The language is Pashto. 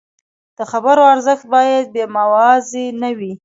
د خبرو ارزښت باید بې معاوضې نه وي.